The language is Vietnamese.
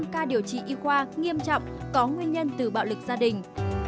một ca điều trị y khoa nghiêm trọng có nguyên nhân từ bạo lực gia đình